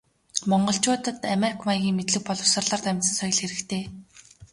Монголчуудад америк маягийн мэдлэг боловсролоор дамжсан соёл хэрэгтэй.